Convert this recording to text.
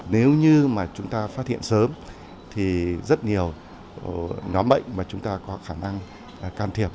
nếu như mà chúng ta phát hiện sớm thì rất nhiều nhóm bệnh mà chúng ta có khả năng can thiệp